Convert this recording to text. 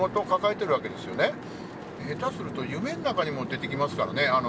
下手すると夢の中にも出てきますからね